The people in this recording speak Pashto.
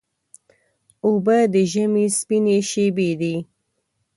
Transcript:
اوبه د ژمي سپینې شېبې دي.